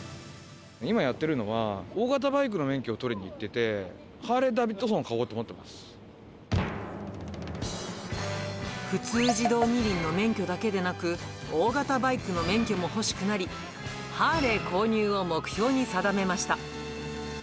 今やっているのは、大型バイクの免許を取りにいってて、ハーレーダビッドソンを買お普通自動二輪の免許だけでなく、大型バイクの免許も欲しくなり、ハーレー購入を目標に定めました。